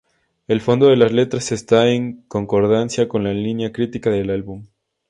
El fondo de las letras está en concordancia con la línea crítica del álbum.